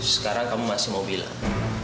sekarang kamu masih mau bilang